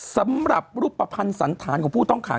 สำหรับรูปภัณฑ์สันธารของผู้ต้องขัง